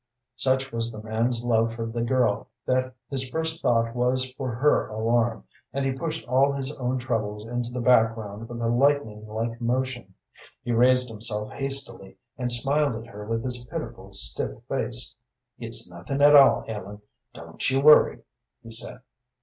Such was the man's love for the girl that his first thought was for her alarm, and he pushed all his own troubles into the background with a lightning like motion. He raised himself hastily, and smiled at her with his pitiful, stiff face. "It's nothing at all, Ellen, don't you worry," he said.